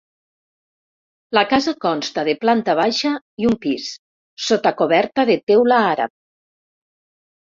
La casa consta de planta baixa i un pis, sota coberta de teula àrab.